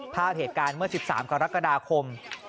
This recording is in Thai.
ภาพเหตุการณ์เมื่อ๑๓กรกฎาคม